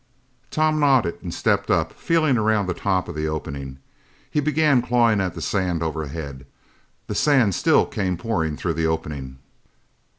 Tom nodded and stepped up, feeling around the top of the opening. He began clawing at the sand overhead. The sand still came pouring through the opening.